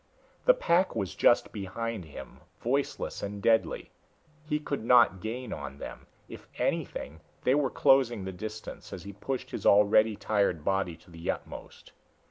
The pack was just behind him, voiceless and deadly. He could not gain on them if anything, they were closing the distance as he pushed his already tired body to the utmost.